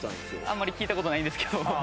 あんまり聞いた事ないんですけど。